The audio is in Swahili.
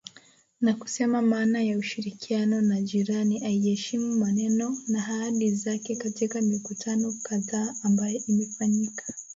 Na kusema maana ya ushirikiano na jirani aiyeheshimu maneno na ahadi zake katika mikutano kadhaa ambayo imefanyika.